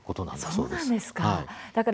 そうなんですか。